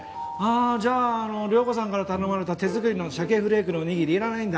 じゃあ遼子さんから頼まれた手作りのしゃけフレークのおにぎりいらないんだ。